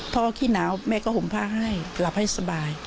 ขี้หนาวแม่ก็ห่มผ้าให้หลับให้สบาย